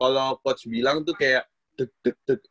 kalau coach bilang tuh kayak